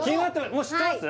もう知ってます？